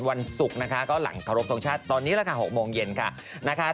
วันฝรั่งศุกร์ถรงชาติ๖โมงเย็นนะครับ